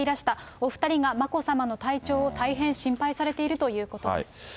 お２人が眞子さまの体調を大変心配されているということです。